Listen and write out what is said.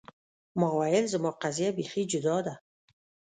ما ویل زما قضیه بیخي جدا ده.